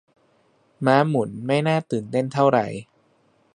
ม้าหมุนไม่น่าตื่นเต้นเท่าไหร่